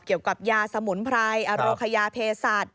เกี่ยวกับยาสมุนไพรอโรคยาเพศัตริย์